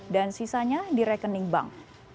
dan sisanya di rekening bank